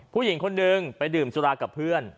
ผู้หญิงคนนึงไปดื่มสุรากับเพื่อน